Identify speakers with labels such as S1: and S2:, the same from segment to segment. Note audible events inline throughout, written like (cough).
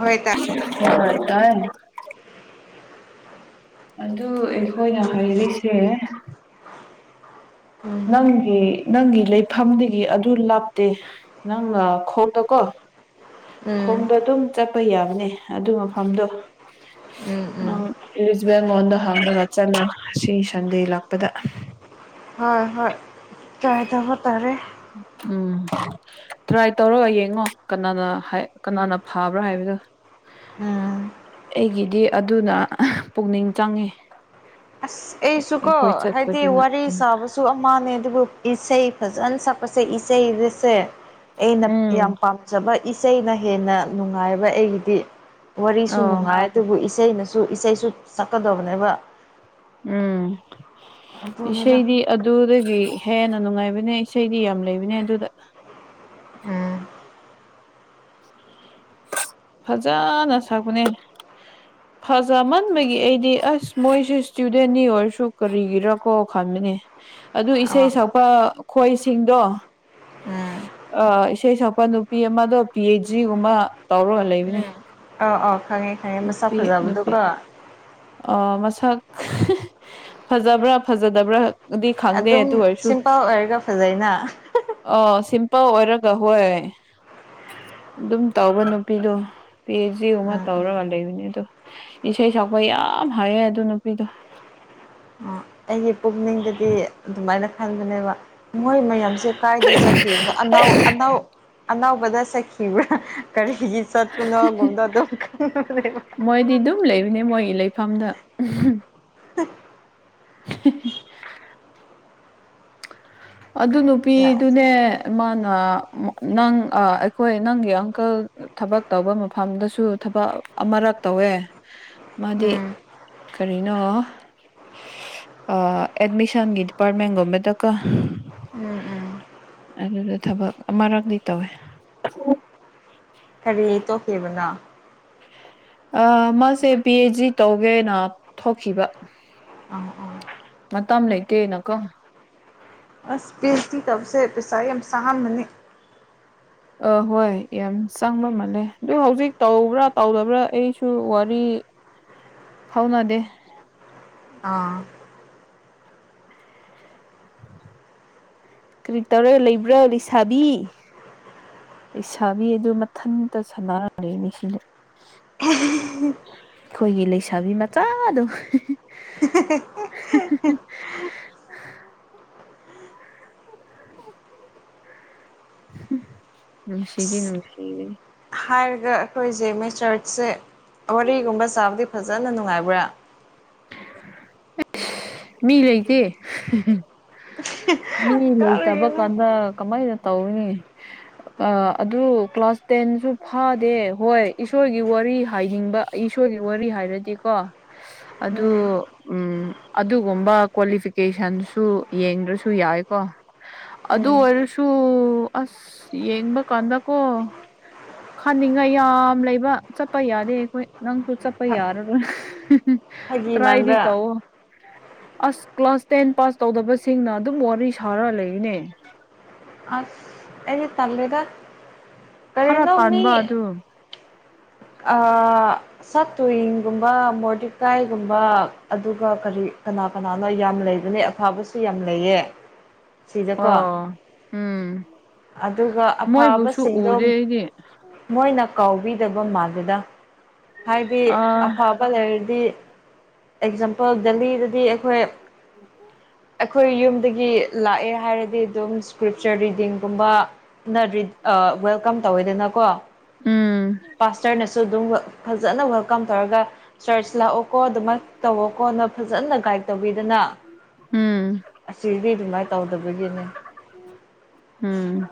S1: ꯍꯣꯏꯇ
S2: (unintelligible) ꯑꯗꯨ ꯑꯩꯈꯣꯏꯅ ꯍꯥꯏꯔꯤꯁꯦ
S1: ꯎꯝ
S2: ꯅꯪꯒꯤ ꯅꯪꯒꯤ ꯂꯩꯐꯝꯗꯒꯤ ꯑꯗꯨ ꯂꯥꯞꯇꯦ ꯅꯪꯅ ꯈꯣꯛꯇ ꯀꯣ
S1: ꯎꯝ
S2: ꯈꯣꯡꯗꯣ ꯑꯗꯨꯝ ꯆꯠꯄ ꯌꯥꯕꯅꯦ ꯑꯗꯨ ꯃꯐꯝꯗꯣ
S1: ꯎꯝ
S2: ꯅꯪ
S1: ꯎꯝ
S2: ꯏꯔꯤꯁꯕꯦꯡꯉꯣꯟꯗ ꯍꯥꯡꯉꯒ ꯆꯠꯂꯦ ꯁꯤ ꯁꯟꯗꯦ ꯂꯥꯛꯄꯗ
S1: ꯍꯣꯏ ꯍꯣꯏ ꯇ꯭ꯔꯥꯏꯇꯧꯕ ꯇꯥꯔꯦ
S2: ꯎꯝ ꯇ꯭ꯔꯥꯏ ꯇꯧꯔꯒ ꯌꯦꯡꯉꯣ ꯀꯅꯥꯅ ꯍꯥꯏ ꯀꯅꯥꯅ ꯐꯕ꯭ꯔꯥ ꯍꯥꯏꯕꯗꯨ
S1: ꯎꯝ
S2: ꯑꯩꯒꯤꯗꯤ ꯑꯗꯨꯅ ꯄꯨꯛꯅꯤꯡ ꯆꯪꯉꯤ
S1: ꯑꯩꯁꯨ ꯀꯣ
S2: ꯑꯩꯈꯣꯏ
S1: ꯍꯥꯏꯗꯤ
S2: ꯆꯠꯄꯗꯨꯅ
S1: ꯋꯥꯔꯤ
S2: ꯎꯝ
S1: ꯁꯥꯕ ꯁꯨ ꯑꯃꯥꯅꯦ ꯑꯗꯨꯕꯨ ꯏꯁꯩ ꯐꯖꯅ ꯁꯛꯄꯁꯦ ꯏꯁꯩꯗꯨꯁꯦ ꯑꯩꯅ
S2: ꯎꯝ
S1: ꯌꯥꯝ ꯄꯥꯝꯖꯕ ꯏꯁꯩꯅ ꯍꯦꯟꯅ ꯅꯨꯡꯉꯥꯏꯕ ꯑꯩꯒꯤꯗꯤ ꯋꯥꯔꯤꯁꯨ
S2: ꯑꯣ
S1: ꯅꯨꯡꯉꯥꯏ ꯑꯗꯨꯕꯨ ꯏꯁꯩꯅꯁꯨ ꯏꯁꯩꯁꯨ ꯁꯛꯀꯗꯕꯅꯦꯕ
S2: ꯎꯝ
S1: ꯑꯗꯨꯅꯤꯗ
S2: ꯏꯁꯩꯗꯤ ꯑꯗꯨꯗꯒꯤ ꯍꯦꯟꯅ ꯅꯨꯡꯉꯥꯏꯕꯅꯦ ꯏꯁꯩꯗꯤ ꯌꯥꯝ ꯂꯩꯕꯅꯦ ꯑꯗꯨꯗ
S1: ꯎꯝ
S2: ꯐꯖꯥꯟꯅ ꯁꯥꯒꯅꯦ ꯐꯖꯃꯟꯕꯒꯤ ꯑꯩꯗꯤ ꯑꯁ ꯃꯣꯏꯁꯦ ꯏꯁꯇꯨꯗꯦꯟꯅꯤ ꯑꯣꯏꯔꯁꯨ ꯀꯔꯤꯒꯤꯔꯀꯣ ꯈꯟꯕꯅꯦ ꯑꯗꯨ
S1: ꯑ
S2: ꯏꯁꯩ ꯁꯛꯄ ꯈꯣꯏꯁꯤꯡꯗꯣ
S1: ꯎꯝ
S2: ꯑ ꯏꯁꯩ ꯁꯛꯄ ꯅꯨꯄꯤ ꯑꯃꯗꯣ ꯄꯤ ꯑꯩꯆ ꯗꯤ ꯒꯨꯝꯕ ꯇꯧꯔꯒ ꯂꯩꯕꯅꯦ
S1: ꯑꯧ ꯑꯧ ꯈꯪꯉꯦ ꯈꯪꯉꯦ ꯃꯁꯛ
S2: ꯅꯨꯄꯤ ꯅꯨꯄꯤ
S1: ꯐꯖꯕꯗꯨꯀꯣ
S2: ꯃꯁꯛ ꯐꯖꯕ꯭ꯔꯥ ꯐꯖꯗꯕ꯭ꯔꯥ ꯑꯗꯤ ꯈꯪꯗꯦ
S1: ꯑꯗꯨꯝ
S2: ꯇꯨ ꯑꯣꯏꯔꯁꯨ
S1: ꯁꯤꯝꯄꯜ ꯑꯣꯏꯔꯒ ꯐꯖꯩꯅ
S2: ꯑ ꯁꯤꯝꯄꯜ ꯑꯣꯏꯔꯒ ꯍꯣꯏ ꯑꯗꯨꯝ ꯇꯧꯕ ꯅꯨꯄꯤꯗꯣ ꯄꯤꯑꯦꯆꯗꯤ ꯒꯨꯝꯕ
S1: ꯎꯝ
S2: ꯇꯧꯔꯒ ꯂꯩꯕꯅꯤ ꯑꯗꯣ ꯏꯁꯦ ꯁꯛꯄ ꯌꯥꯝ ꯍꯥꯏꯌꯦ ꯑꯗꯨ ꯅꯨꯄꯤꯗꯨ
S1: ꯑꯥ ꯑꯩꯒꯤ ꯄꯨꯛꯅꯤꯡꯗꯗꯤ ꯑꯗꯨꯃꯥꯏꯅ ꯈꯟꯕꯅꯦꯕ ꯃꯣꯏ ꯃꯌꯥꯝꯁꯦ ꯀꯥꯏꯗ ꯆꯠꯈꯤꯕꯗꯣ ꯑꯅꯥ ꯑꯅꯥꯎ ꯑꯅꯧꯕꯗ ꯆꯈꯤꯕ꯭ꯔꯥ ꯀꯔꯤꯒꯤ ꯆꯠꯄꯅꯣꯒꯨꯝꯗ ꯑꯗꯨꯝ (unintelligible)
S2: ꯃꯣꯏꯗꯤ ꯑꯗꯨꯝ ꯂꯩꯕꯅꯦ ꯃꯣꯏꯒꯤ ꯂꯩꯐꯝꯗ (unintelligible) ꯑꯗꯨ ꯅꯨꯄꯤꯗꯨꯅꯦ ꯃꯥꯅ ꯅꯪ ꯑꯩꯈꯣꯏ ꯅꯪꯒꯤ ꯑꯪꯀꯜ ꯊꯕꯛ ꯇꯧꯕ ꯃꯐꯝꯗꯁꯨ ꯊꯕꯛ ꯑꯃꯔꯛ ꯇꯧꯋꯦ ꯃꯥꯗꯤ
S1: ꯎꯝ
S2: ꯀꯔꯤꯅꯣ ꯑꯦꯠꯃꯤꯁꯟꯒꯤ ꯗꯤꯄꯥꯔꯠꯃꯦꯟꯒꯨꯝꯕꯗꯀꯣ
S1: ꯎꯝ ꯎꯝ
S2: ꯑꯗꯨꯗ ꯊꯕꯛ ꯑꯃꯔꯛꯇꯗꯤ ꯇꯧꯋꯦ
S1: ꯀꯔꯤ ꯇꯣꯛꯈꯤꯕꯅꯣ
S2: ꯑ ꯃꯥꯁꯦ ꯄꯤ ꯑꯩꯆ ꯗꯤ ꯇꯧꯒꯦꯅ ꯊꯣꯛꯈꯤꯕ
S1: ꯑꯥ
S2: ꯃꯇꯝ ꯂꯩꯇꯦꯅꯀꯣ
S1: ꯑꯁ ꯄꯤꯑꯦꯆꯗꯤ ꯇꯧꯕꯁꯦ ꯄꯩꯁꯥ ꯌꯥꯝ ꯆꯉꯝꯃꯅꯤ
S2: ꯑ ꯍꯣꯏ ꯌꯥꯝ ꯆꯪꯕ ꯃꯥꯜꯂꯦ ꯑꯗꯨ ꯍꯧꯖꯤꯛ ꯇꯧꯕ꯭ꯔꯥ ꯇꯧꯗꯕ꯭ꯔꯥ ꯑꯩꯁꯨ ꯋꯥꯔꯤ ꯐꯥꯎꯅꯥꯗꯦ
S1: ꯑꯥ
S2: ꯀꯔꯤ ꯇꯧꯔ ꯂꯩꯕ꯭ꯔꯥ ꯂꯩꯁꯥꯕꯤ ꯂꯩꯁꯥꯕꯤ ꯑꯗꯨ ꯃꯊꯟꯇ ꯁꯥꯟꯅꯔ ꯂꯩꯌꯦ ꯃꯦꯁꯤꯗꯣ ꯑꯩꯈꯣꯏꯒꯤ ꯂꯩꯁꯥꯕꯤ ꯃꯆꯥꯗꯣ
S1: (unintelligible)
S2: ꯍꯤ ꯍꯤ ꯍꯤ ꯍꯝ ꯅꯨꯡꯁꯤꯗꯤ ꯅꯨꯡꯁꯤ
S1: ꯍꯥꯏꯔꯒ ꯑꯩꯈꯣꯏꯁꯦ ꯃꯦꯆꯔꯠꯁꯦ ꯋꯥꯔꯤꯒꯨꯝꯕ ꯆꯥꯕꯗꯤ ꯐꯖꯅ ꯅꯨꯡꯉꯥꯏꯕ꯭ꯔꯥ
S2: ꯑꯩꯁ ꯃꯤ ꯂꯩꯇꯦ ꯃꯤ ꯂꯩꯇꯕ
S1: ꯀꯔꯤꯅꯣ
S2: ꯀꯥꯟꯗ ꯀꯃꯥꯏꯅ ꯇꯧꯒꯅꯤ ꯑ ꯑꯗꯨ ꯀ꯭ꯂꯥꯁ ꯇꯦꯟꯁꯨ ꯐꯥꯗꯦ ꯍꯣꯏ ꯏꯁꯣꯔꯒꯤ ꯋꯥꯔꯤ ꯍꯥꯏꯅꯤꯡꯕ ꯑꯩ ꯏꯁꯣꯏꯒꯤ ꯋꯥꯔꯤ ꯍꯥꯏꯔꯗꯤꯀꯣ ꯑꯗꯨ ꯎꯝ ꯑꯗꯨꯒꯨꯝꯕ ꯀ꯭ꯋꯥꯂꯤꯐꯤꯀꯦꯁꯟꯁꯨ ꯌꯦꯡꯗ꯭ꯔꯁꯨ ꯌꯥꯏꯀꯣ ꯑꯗꯨ
S1: ꯎꯝ
S2: ꯑꯣꯏꯔꯁꯨ ꯑꯁ ꯌꯦꯡꯕ ꯀꯥꯟꯗꯀꯣ ꯈꯥꯅꯤꯡꯉꯥꯏ ꯌꯥꯝ ꯂꯩꯕ ꯆꯠꯄ ꯌꯥꯗꯦ ꯑꯩꯈꯣꯏ ꯅꯪꯁꯨ ꯆꯠꯄ ꯌꯥꯔꯔꯣꯏ
S1: ꯐꯥꯒꯤ
S2: ꯇꯔꯏꯗꯤ
S1: ꯃꯥꯟꯕ꯭ꯔꯥ
S2: ꯇꯧꯑꯣ ꯑꯁ ꯀ꯭ꯂꯥꯁ ꯇꯦꯟ ꯄꯥꯁ ꯇꯧꯗꯕꯁꯤꯡꯅ ꯑꯗꯨꯝ ꯋꯥꯔꯤ ꯁꯥꯔ ꯂꯩꯌꯦꯅꯦ
S1: ꯑꯁ ꯑꯩꯗꯤ ꯇꯜꯂꯦꯗ
S2: ꯈꯔ
S1: ꯀꯔꯤꯅꯣ ꯃꯤ
S2: ꯇꯥꯟꯕ ꯑꯗꯨ
S1: ꯑꯥ ꯁꯥ ꯇꯨꯋꯤꯡꯒꯨꯝꯕ ꯃꯣꯔꯗꯤꯀꯥꯏꯒꯨꯝꯕ ꯑꯗꯨꯒ ꯀꯔꯤ ꯀꯅꯥ ꯀꯅꯥꯅꯣ ꯌꯥꯝ ꯂꯩꯕꯅꯦ ꯐꯕꯁꯨ ꯌꯥꯝ ꯂꯩꯌꯦ ꯁꯤꯗꯀꯣ
S2: ꯑꯣ ꯎꯝ
S1: ꯑꯗꯨꯒ
S2: ꯃꯣꯏꯕꯨꯁꯨ
S1: ꯑꯐꯕꯁꯤꯡꯗꯣ
S2: ꯎꯗꯦ ꯑꯩꯗꯤ
S1: ꯃꯣꯏꯅ ꯀꯥꯎꯕꯤꯗꯕ ꯃꯥꯜꯂꯤꯗ ꯍꯥꯏꯗꯤ
S2: ꯑꯥ
S1: ꯑꯐ ꯕ ꯂꯩꯔꯗꯤ ꯑꯦꯛꯖꯥꯝꯄꯜ ꯗꯦꯜꯂꯤꯗꯗꯤ ꯑꯩꯈꯣꯏ
S2: ꯎꯝ ꯑꯣ
S1: ꯑꯩꯈꯣꯏ ꯌꯨꯝꯗꯒꯤ ꯂꯥꯛꯑꯦ ꯍꯥꯏꯔꯗꯤ ꯑꯗꯨꯝ ꯏꯁꯀ꯭ꯔꯤꯞꯆꯔ ꯔꯤꯗꯤꯡꯒꯨꯝꯕ ꯅꯠꯔꯤꯠ ꯑ ꯋꯦꯜꯀꯝ ꯇꯧꯋꯦꯗꯅꯀꯣ
S2: ꯎꯝ
S1: ꯄꯥꯁꯇꯔꯅꯁꯨ ꯑꯗꯨꯝ ꯋꯦꯜ ꯐꯖꯅ ꯋꯦꯜꯀꯝ ꯇꯧꯔꯒ ꯆꯔꯆ ꯂꯥꯛꯑꯣꯀꯣ ꯑꯗꯨꯃꯥꯏ ꯇꯧꯋꯣꯀꯣ ꯅ ꯐꯖꯅ ꯒꯥꯏꯗ ꯇꯧꯕꯤꯗꯅ
S2: ꯎꯝ
S1: ꯑꯁꯤꯗꯤ ꯑꯗꯨꯃꯥꯏ ꯇꯧꯗꯕꯒꯤꯅꯦ
S2: ꯎꯝ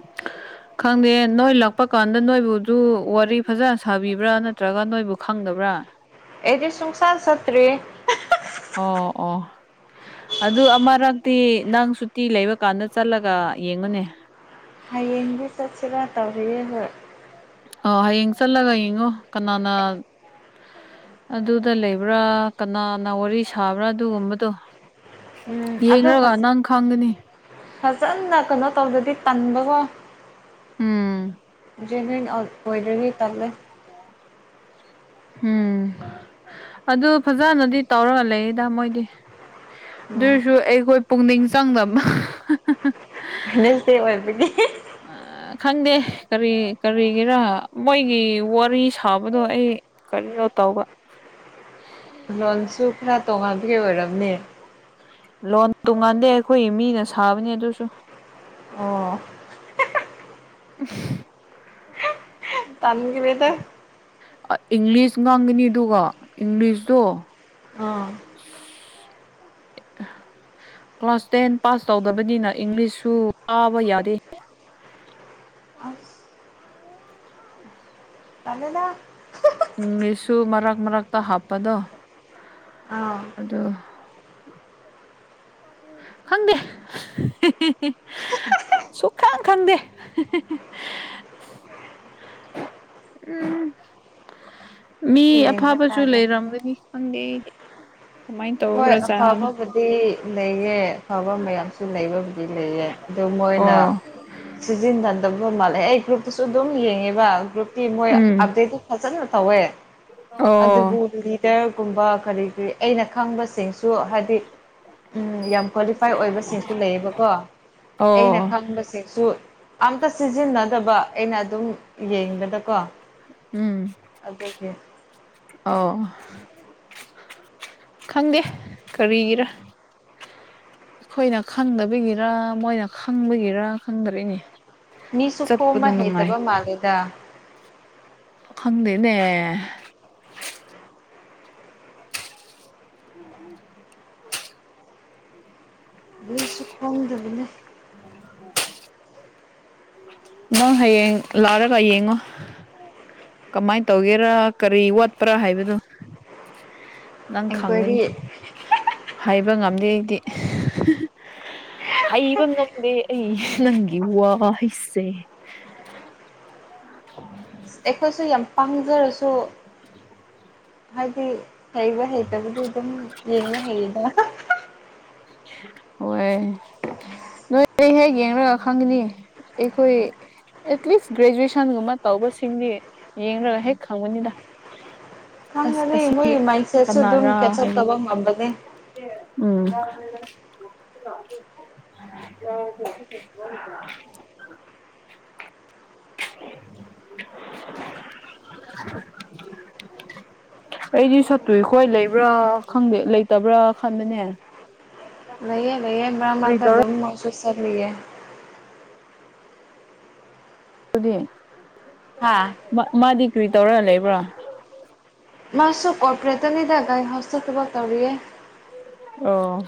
S2: ꯈꯪꯗꯦ ꯅꯣꯏ ꯂꯥꯛꯄ ꯀꯥꯟꯗ ꯅꯣꯏꯕꯨꯗꯨ ꯋꯥꯔꯤ ꯐꯖꯅ ꯁꯥꯕꯤꯕ꯭ꯔꯥ ꯅꯠꯇ꯭ꯔꯒ ꯅꯣꯏꯕꯨ ꯈꯪꯗꯕ꯭ꯔꯥ
S1: ꯑꯦꯗꯤ ꯁꯨꯡꯁꯥꯠ ꯆꯠꯇꯔꯤ
S2: ꯑꯣ ꯑꯣ ꯑꯗꯨ ꯑꯃꯔꯛꯇꯤ ꯅꯪ ꯁꯨꯇꯤ ꯂꯩꯕꯀꯥꯟꯗ ꯆꯠꯂꯒ ꯌꯦꯡꯉꯨꯅꯦ
S1: ꯍꯌꯦꯡꯗꯤ ꯆꯠꯁꯤꯔꯥ ꯇꯧꯔꯤꯌꯦ ꯍꯣꯏ
S2: ꯑꯣ ꯍꯌꯦꯡ ꯆꯠꯂꯒ ꯌꯦꯡꯉꯣ ꯀꯅꯥꯅ ꯑꯗꯨꯗ ꯂꯩꯕ꯭ꯔꯥ ꯀꯅꯥꯅ ꯋꯥꯔꯤ ꯁꯥꯕ꯭ꯔꯥ ꯑꯗꯨꯒꯨꯝꯕꯗꯣ
S1: ꯎꯝ ꯑꯗꯣ
S2: ꯌꯦꯡꯔꯒ ꯅꯪ ꯈꯪꯒꯅꯤ
S1: ꯐꯖꯅ ꯀꯩꯅꯣ ꯇꯧꯗꯗꯤ ꯇꯟꯕ ꯒꯣ
S2: ꯎꯝ
S1: ꯄꯦꯃꯦꯟ ꯑꯥꯎꯠ ꯑꯣꯏꯗꯔ꯭ꯗꯤ ꯇꯜꯂꯦ
S2: ꯎꯝ ꯑꯗꯨ ꯐꯖꯅꯗꯤ ꯇꯧꯔꯒ ꯂꯩꯌꯦꯗ ꯃꯣꯏꯗꯤ
S1: ꯎꯝ
S2: ꯑꯗꯨꯑꯣꯏꯁꯨ ꯑꯩꯈꯣꯏ ꯄꯨꯛꯅꯤꯡ ꯆꯪꯗꯕ
S1: ꯐꯦꯅꯦꯁꯗꯦ ꯑꯣꯏꯕꯒꯤ
S2: ꯑꯥ ꯈꯪꯗꯦ ꯀꯔꯤ ꯀꯔꯤꯒꯤꯔ ꯃꯣꯏꯒꯤ ꯋꯥꯔꯤ ꯁꯥꯕꯗꯣ ꯑꯩ ꯀꯔꯤꯌꯣ ꯇꯧꯕ
S1: ꯂꯣꯟꯁꯨ ꯈꯔ ꯇꯣꯉꯥꯟꯕꯒꯤ ꯑꯣꯏꯔꯝꯅꯦ
S2: ꯂꯣꯟ ꯇꯣꯡꯉꯥꯟꯗꯦ ꯑꯩꯈꯣꯏꯒꯤ ꯃꯤꯅ ꯁꯥꯕꯅꯦ ꯑꯗꯨꯁꯨ
S1: ꯑꯣ
S2: (unintelligible)
S1: ꯇꯟꯈ꯭ꯔꯦꯗ
S2: ꯏꯪꯂꯤꯁ ꯉꯥꯡꯒꯅꯤ ꯑꯗꯨꯒ ꯏꯪꯂꯤꯁꯇꯣ
S1: ꯑꯥ
S2: (inaudible) ꯀ꯭ꯂꯥꯁ ꯇꯦꯟ ꯄꯥꯁ ꯇꯧꯗꯕꯅꯤꯅ ꯏꯪꯂꯤꯁꯁꯨ ꯄꯕ ꯌꯗꯦ
S1: ꯑꯁ ꯀꯂꯅ
S2: ꯏꯪꯂꯤꯁꯁꯨ ꯃꯔꯛ ꯃꯔꯛꯇ ꯍꯥꯞꯄꯗꯣ
S1: ꯑꯥꯎ
S2: ꯑꯗꯣ ꯈꯪꯗꯦ ꯁꯨꯡꯈꯥꯡ ꯈꯪꯗꯦ (unintelligible) ꯎꯝ ꯃꯤ
S1: ꯌꯦꯡꯕ
S2: ꯑꯐꯕꯁꯨ
S1: ꯇꯥꯔꯦ
S2: ꯂꯩꯔꯝꯒꯅꯤ ꯈꯪꯗꯦꯑꯩꯗꯤ ꯀꯃꯥꯏ ꯇꯧꯕ꯭ꯔꯖꯠꯅꯣ
S1: ꯗꯤ ꯂꯩꯌꯦ ꯑꯐꯕ ꯃꯌꯥꯝꯁꯨ ꯂꯩꯕꯕꯨꯗꯤ ꯂꯩꯌꯦ ꯑꯗꯨ ꯃꯣꯏꯅ
S2: ꯑꯣ
S1: ꯁꯤꯖꯤꯟꯅꯗꯕ ꯃꯥꯜꯂꯦ ꯑꯩ ꯒ꯭ꯔꯨꯞꯇꯨꯁꯨ ꯑꯗꯨꯝ ꯌꯦꯡꯉꯦꯕ ꯒ꯭ꯔꯨꯞꯇꯤ ꯃꯣꯏ
S2: ꯎꯝ
S1: ꯑꯞꯗꯦꯠ ꯐꯖꯅ ꯇꯧꯋꯦ
S2: ꯑꯣ
S1: ꯑꯗꯨꯕꯨ ꯂꯤꯗꯔꯒꯨꯝꯕ ꯀꯔꯤ ꯀꯔꯤ ꯑꯩꯅ ꯈꯪꯕꯕꯁꯤꯁꯨ ꯍꯥꯏꯗꯤ ꯎꯝ ꯌꯥꯝ ꯀ꯭ꯋꯥꯂꯤꯐꯥꯏ ꯑꯣꯏꯕꯁꯤꯡꯁꯨ ꯂꯩꯌꯦꯕꯀꯣ ꯑꯩꯅ
S2: ꯑꯣ
S1: ꯈꯪꯕꯁꯤꯡꯁꯨ ꯑꯝꯇ ꯁꯤꯖꯤꯟꯅꯗꯕ ꯑꯩꯅ ꯑꯗꯨꯝ ꯌꯦꯡꯕꯗꯀꯣ
S2: ꯎꯝ
S1: ꯑꯗꯨꯒꯤ
S2: ꯑꯣ ꯈꯪꯗꯦ ꯀꯔꯤꯒꯤꯔꯥ ꯑꯩꯈꯣꯏꯅ ꯈꯪꯗꯕꯒꯤꯔ ꯃꯣꯏꯅ ꯈꯪꯕꯒꯤꯔ ꯈꯪꯗ꯭ꯔꯦꯅꯦ
S1: ꯃꯤꯁꯨ ꯈꯣꯝꯃ
S2: ꯆꯠꯄꯗꯣ ꯅꯨꯡꯉꯥꯏ
S1: ꯍꯩꯇꯕ ꯃꯥꯜꯂꯦꯗ
S2: ꯈꯪꯗꯦꯅꯦ (inaudible)
S1: ꯕꯁꯨ ꯈꯋꯥꯗꯕꯤꯅ
S2: ꯎ ꯅꯪ ꯍꯌꯦꯡ ꯂꯥꯛꯑꯔꯒ ꯌꯦꯡꯉꯣ ꯀꯃꯥꯏꯅ ꯇꯧꯒꯦꯔꯥ ꯀꯔꯤ ꯋꯥꯠꯄ꯭ꯔꯥ ꯍꯥꯏꯕꯗꯨꯣ ꯅꯪ ꯈꯪꯒꯅꯤ
S1: ꯑꯦꯟꯀ꯭ꯋꯥꯏꯔꯤ
S2: ꯍꯥꯏꯕ ꯉꯝꯗꯦ ꯑꯩꯗꯤ ꯍꯩꯕ ꯉꯝꯗꯦ ꯑꯩ ꯅꯪꯒꯤ ꯋꯥ ꯍꯩꯁꯦ
S1: ꯑꯩꯈꯣꯏꯁꯨ ꯌꯥꯝ ꯄꯥꯖꯔꯁꯨ ꯍꯥꯏꯗꯤ ꯍꯩꯕ ꯍꯩꯇꯕꯨꯗꯤ ꯑꯗꯨꯝ ꯌꯦꯡꯅ ꯍꯩꯔꯤꯗ
S2: ꯍꯣꯏ ꯅꯣꯏ ꯑꯩ ꯍꯦꯛ ꯌꯦꯡꯉꯒ ꯈꯪꯒꯅꯤ ꯑꯩꯈꯣꯏ ꯑꯦꯠꯂꯤꯁ ꯒ꯭ꯔꯦꯖꯨꯑꯦꯁꯟꯒꯨꯝꯕ ꯇꯧꯕꯁꯤꯡꯗꯤ ꯌꯦꯡꯒ ꯍꯦꯛ ꯈꯪꯕꯅꯤꯗ ꯑꯁ
S1: ꯈꯪꯉꯅꯤ
S2: ꯑꯁꯤ
S1: ꯃꯣꯏꯒꯤ ꯃꯥꯏꯟ ꯁꯦꯠꯁꯨ ꯑꯗꯨꯝ
S2: ꯀꯅꯥꯔꯥ
S1: ꯀꯦꯆ ꯑꯞ
S2: ꯍꯥꯏꯕ
S1: ꯇꯧꯕ ꯉꯝꯕꯅꯦ
S2: ꯎꯝ (inaudible) (unintelligible) (inaudible) ꯑꯩꯗꯤ ꯁꯠꯇꯨꯏꯈꯣꯏ ꯂꯩꯕ꯭ꯔꯥ ꯈꯪꯗꯦ ꯂꯩꯇꯕ꯭ꯔꯥ ꯈꯟꯕꯅꯦ
S1: ꯂꯩꯚꯌꯦ ꯂꯩꯩꯌꯦ ꯭ꯔꯝ
S2: ꯀꯔꯤ
S1: ꯂꯥꯛꯛꯇ
S2: ꯇꯧꯔ
S1: ꯑꯗꯨꯝ ꯃꯁꯁ ꯆꯔꯤꯌꯦ
S2: ꯑꯗꯨꯗꯤ
S1: ꯍꯥꯥ
S2: ꯃꯥꯗꯤ ꯀꯔꯤ ꯇꯧꯔꯒ ꯂꯩꯕ꯭ꯔꯣ
S1: ꯃꯥꯁꯨ ꯀꯣꯔꯄꯣꯔꯦꯠꯇ ꯅꯤꯗ ꯒꯥꯏꯗ ꯍꯥꯎꯁꯗ ꯊꯕꯛ ꯇꯧꯔꯤꯌꯦ
S2: ꯑꯣ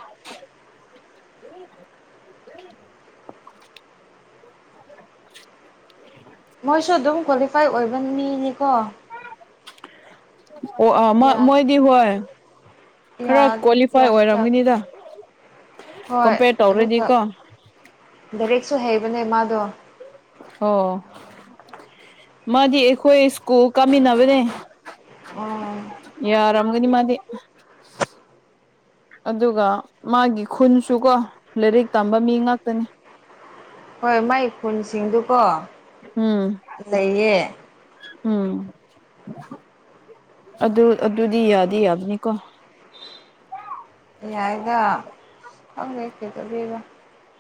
S1: ꯃꯣꯏꯁꯨ ꯑꯗꯨꯝ ꯀ꯭ꯋꯥꯂꯤꯐꯥꯏ ꯑꯣꯏꯕ ꯃꯤꯅꯤꯀꯣ
S2: ꯑꯣ ꯃ
S1: ꯌꯥ
S2: ꯃꯣꯏꯗꯤ ꯍꯣꯏ ꯈꯔ
S1: ꯌꯥ
S2: ꯀ꯭ꯋꯥꯂꯤꯐꯥꯏ
S1: ꯌꯥꯁꯨ ꯌꯥꯕꯅꯦ
S2: ꯑꯣꯏꯔꯝꯒꯅꯤꯗ
S1: ꯍꯣꯏ
S2: ꯀꯝꯄꯦꯌꯔ
S1: ꯑꯗꯨꯒ
S2: ꯇꯧꯔꯗꯤꯀꯣ
S1: ꯂꯥꯏꯔꯤꯛꯁꯨ ꯍꯩꯕꯅꯦ ꯃꯥꯗꯣ
S2: ꯑꯣ ꯃꯥꯗꯤ ꯑꯩꯈꯣꯏ ꯁ꯭ꯀꯨꯜ ꯀꯥꯃꯤꯟꯅꯕꯅꯦ
S1: ꯎꯝ
S2: ꯌꯥꯔꯝꯒꯅꯤꯃꯗꯤꯦ ꯑꯗꯨꯒ ꯃꯥꯒꯤ ꯈꯨꯟꯁꯨ ꯀꯣ ꯂꯥꯏꯔꯤꯛ ꯇꯝꯕ ꯃꯤ ꯉꯥꯛꯇꯅꯤ
S1: ꯍꯣꯏ ꯃꯥꯏ ꯈꯨꯟꯁꯤꯡꯗꯨꯀꯣ
S2: ꯎꯝ
S1: ꯂꯩꯌꯦ
S2: ꯎꯝ ꯑꯗꯨ ꯑꯗꯨꯗꯤ ꯌꯥꯗꯤ ꯌꯥꯕꯅꯤꯀꯣ
S1: ꯌꯥꯏꯗ ꯈꯪꯗꯦ ꯀꯩꯇꯧꯕꯩꯅꯣ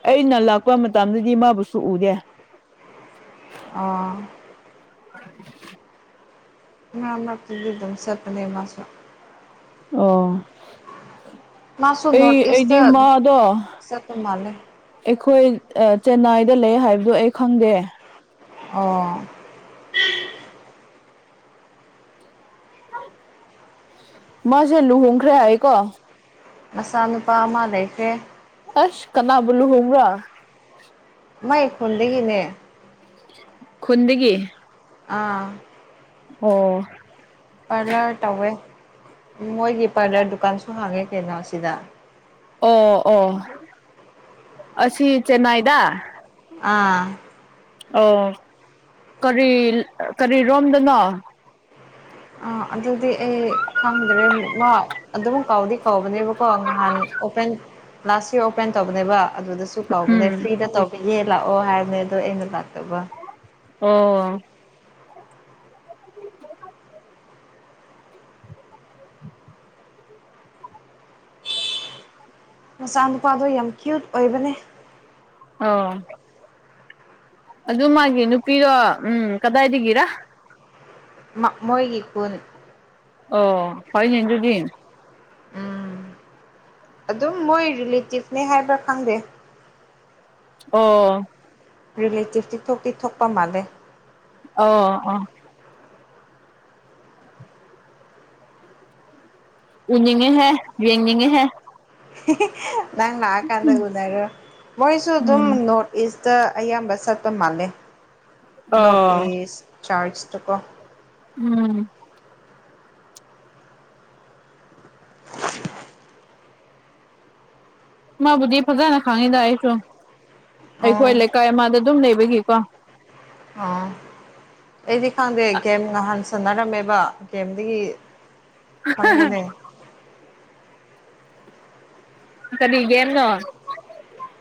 S2: ꯑꯩꯅ ꯂꯥꯛꯄ ꯃꯇꯝꯗꯗꯤ ꯃꯥꯕꯨꯁꯨ ꯎꯗꯦ
S1: ꯑꯥ
S2: (inaudible)
S1: ꯃꯔꯛ ꯃꯔꯛ ꯇꯗꯤ ꯑꯗꯨꯝ ꯆꯠꯄꯅꯦ ꯃꯁꯨ
S2: ꯑꯣ
S1: ꯃꯥꯁꯨ
S2: ꯑꯩ
S1: ꯅꯣꯔꯠ
S2: ꯑꯩꯗꯤ
S1: ꯏꯁꯇ
S2: ꯃꯥꯗꯣ
S1: ꯆꯠꯄ ꯃꯥꯜꯂꯦ
S2: ꯑꯩꯈꯣꯏ ꯆꯦꯟꯅꯥꯏꯗ ꯂꯩ ꯍꯥꯏꯕꯗꯨꯣ ꯑꯩ ꯈꯪꯗꯦ
S1: ꯑꯣ
S2: ꯃꯥꯁꯦ ꯂꯨꯍꯣꯡꯈ꯭ꯔꯦ ꯍꯥꯏꯀꯣ
S1: ꯃꯆꯥ ꯅꯨꯨꯄꯥ ꯑꯃ ꯂꯩꯈꯦ
S2: ꯑꯁ ꯀꯅꯥꯕꯨ ꯂꯨꯍꯨꯡꯕ꯭ꯔ
S1: ꯃꯥꯏ ꯈꯨꯣꯟꯗꯒꯤꯅꯦ
S2: (unintelligible) ꯈꯨꯟꯗꯒꯤ
S1: ꯑꯥ
S2: ꯑꯣ
S1: ꯄꯥꯔꯂꯔ ꯇꯧꯋꯦ ꯃꯣꯏꯒꯤ ꯄꯥꯔꯂꯔ ꯗꯨꯀꯥꯟꯁꯨ ꯍꯥꯡꯉꯦ ꯀꯩꯅꯣ ꯁꯤꯗ
S2: ꯑꯣ ꯑꯣ ꯑꯁꯤ ꯆꯦꯟꯅꯥꯏꯗ
S1: ꯑꯥ
S2: ꯑꯣ ꯀꯔꯤ ꯀꯔꯤꯔꯣꯝꯗꯅꯣ
S1: ꯑꯥ ꯑꯗꯨꯗꯤ ꯑꯩ ꯈꯪꯗ꯭ꯔꯦ ꯃꯥ ꯑꯗꯨꯝ ꯀꯥꯎꯗꯤ ꯀꯥꯎꯕꯅꯦꯕꯀꯣ ꯉꯍꯟ ꯑꯣꯄꯦꯟ ꯂꯥꯁ ꯌꯔ ꯑꯣꯄꯦꯟ ꯇꯧꯕꯅꯦꯕ ꯑꯗꯨꯗꯁꯨ ꯀꯥꯎꯅꯦ
S2: ꯎꯝ
S1: ꯐ꯭ꯔꯤꯗ ꯇꯧꯕꯤꯑ ꯂꯥꯛꯑꯣ ꯍꯥꯏꯕꯅꯦ ꯑꯗꯣ ꯑꯩꯅ ꯂꯥꯛꯇꯕ
S2: ꯑꯣ
S1: ꯃꯆꯥꯅꯨꯄꯥꯗꯣ ꯌꯥꯝ ꯀ꯭ꯌꯨꯠ ꯑꯣꯏꯕꯅꯦ
S2: ꯑꯣ ꯑꯗꯨ ꯃꯥꯒꯤ ꯅꯨꯄꯤꯗꯣ ꯎꯝ ꯀꯗꯥꯏꯗꯒꯤꯔ
S1: ꯃ ꯃꯣꯏꯒꯤ ꯈꯨꯟ
S2: ꯑꯣ ꯐꯥꯏꯅꯦ ꯑꯗꯨꯗꯤ
S1: ꯎꯝ
S2: (unintelligible)
S1: ꯑꯗꯨꯝ ꯃꯣꯏ ꯔꯤꯂꯦꯇꯤꯞꯅꯦ ꯍꯥꯏꯕ꯭ꯔꯥ ꯈꯪꯗꯦ
S2: ꯑꯣ
S1: ꯔꯦꯂꯦꯇꯤꯚꯗꯤ ꯊꯣꯛꯇꯤ ꯊꯣꯛꯄ ꯃꯥꯜꯂꯦ
S2: ꯑꯣ ꯑꯣ ꯎꯅꯤꯡꯉꯤꯍꯦ ꯌꯦꯡꯅꯤꯡꯉꯤꯍꯦ
S1: ꯅꯪ ꯂꯥꯛꯑꯀꯥꯟꯗ
S2: ꯎꯝ
S1: ꯎꯅꯔꯣ ꯃꯣꯏꯁꯨ ꯑꯗꯨꯝ
S2: ꯎꯝ
S1: ꯅꯣꯔꯊ ꯏꯁ ꯗ ꯑꯌꯥꯝꯕ ꯆꯠꯄ ꯃꯥꯜꯂꯦ ꯅꯣꯔꯠ
S2: ꯑꯣ
S1: ꯏꯁ ꯆꯔꯆꯇꯀꯣ
S2: ꯎꯝ
S1: (unintelligible)
S2: ꯃꯥꯕꯨꯗꯤ ꯐꯖꯅ ꯈꯪꯉꯤꯗ ꯑꯩꯁꯨ
S1: ꯑꯣ
S2: ꯑꯩꯈꯣꯏ ꯂꯩꯀꯥꯏ ꯑꯃꯗ ꯑꯗꯨꯝ ꯂꯩꯕꯒꯤꯀꯣ
S1: ꯑꯥ ꯑꯩꯗꯤ ꯈꯪꯗꯦ ꯒꯦꯝ ꯉꯍꯥꯟ ꯁꯥꯟꯟꯅꯔꯝꯃꯦꯕ ꯒꯦꯝꯗꯒꯤ ꯈꯪꯕꯅꯦ
S2: ꯀꯔꯤ ꯒꯦꯝꯅꯣ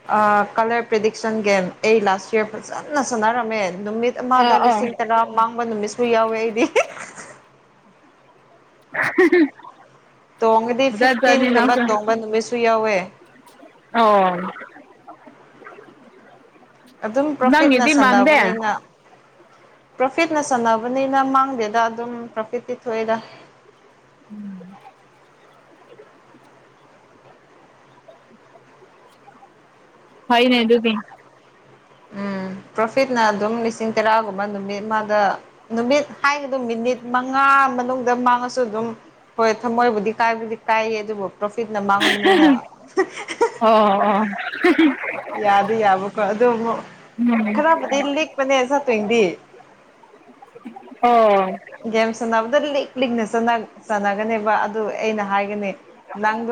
S1: ꯑ ꯀꯂꯔ ꯄ꯭ꯔꯦꯗꯤꯛꯁꯟ ꯒꯦꯝ ꯑꯩ ꯂꯥꯁ ꯏꯔ ꯐꯖꯟꯅ ꯁꯥꯟꯅꯔꯃꯦ ꯅꯨꯃꯤꯠ ꯃꯥꯗ
S2: ꯑꯥ ꯑꯥ
S1: ꯂꯤꯁꯤꯡ ꯇꯔꯥ ꯃꯥꯡꯕ ꯅꯨꯃꯤꯠꯁꯨ ꯌꯥꯎꯋꯦ ꯑꯩꯗꯤ
S2: (unintelligible)
S1: ꯇꯣꯡꯉꯗꯤ
S2: ꯖꯥꯠ ꯖꯥꯠꯅꯤ
S1: ꯐꯤꯐꯇꯤꯟꯒꯨꯝꯕ
S2: ꯅꯪꯁꯨ
S1: ꯇꯣꯡꯕ ꯅꯨꯃꯤꯠꯁꯨ ꯌꯥꯎꯋꯦ
S2: ꯑꯣ (unintelligible)
S1: ꯑꯗꯨꯝ ꯄ꯭ꯔꯣꯐꯤꯠꯅ
S2: ꯅꯪꯒꯤꯗꯤ ꯃꯥꯟꯗꯦ
S1: ꯁꯥꯟꯅꯕꯅꯤꯅ ꯄ꯭ꯔꯣꯐꯤꯠꯅ ꯁꯥꯟꯅꯕꯅꯤꯅ ꯃꯥꯡꯗꯦꯗ ꯑꯗꯨꯝ ꯄ꯭ꯔꯣꯐꯤꯠꯇꯤ ꯊꯣꯛꯑꯦꯗ
S2: (unintelligible) ꯍꯩꯅꯦ ꯑꯗꯨꯗꯤ
S1: ꯎꯝ ꯄ꯭ꯔꯣꯐꯤꯠꯅ ꯑꯗꯨꯝ ꯂꯤꯁꯤꯡ ꯇꯔꯥꯒꯨꯝꯕ ꯅꯨꯃꯤꯠ ꯃꯥꯗ ꯅꯨꯃꯤꯠ ꯍꯥꯏꯒꯗ ꯃꯤꯅꯤꯠ ꯃꯉꯥ ꯃꯅꯨꯡꯗ ꯃꯥꯡꯉꯁꯨ ꯑꯗꯨꯝ ꯍꯣꯏ ꯊꯝꯃꯣꯏꯕꯨꯗꯤ ꯀꯥꯏꯕꯨꯗꯤ ꯀꯥꯏꯌꯦ ꯑꯗꯨꯕꯨ ꯄ꯭ꯔꯣꯐꯤꯠꯅ ꯃꯥꯡꯕꯅꯤꯅ
S2: ꯑꯣ ꯑꯣ
S1: (unintelligible) ꯌꯥꯗꯤ ꯌꯥꯕꯀꯣ ꯑꯗꯨ ꯑꯃꯨꯛ
S2: ꯎꯝ
S1: ꯈꯔꯕꯨꯗꯤ ꯂꯤꯛꯄꯅꯦ ꯁꯥꯠꯇꯣꯏꯗꯤ
S2: ꯑꯣ
S1: ꯒꯦꯝ ꯁꯥꯟꯅꯕꯗ ꯂꯤꯛ ꯂꯤꯛꯅ ꯁꯥꯟꯅꯒꯅꯦꯕ ꯑꯗꯨ ꯑꯩꯅ ꯍꯥꯏꯒꯅꯤ ꯅꯪꯗꯣ